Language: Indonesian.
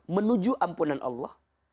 menuju ampunan allah